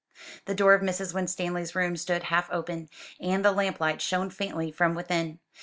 The door of Mrs. Winstanley's room stood half open, and the lamplight shone faintly from within.